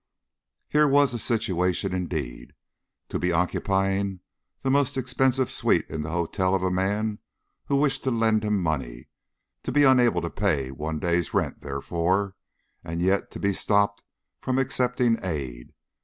Here was a situation indeed! To be occupying the most expensive suite in the hotel of a man who wished to lend him money, to be unable to pay one day's rent therefore, and yet to be stopped from accepting aid.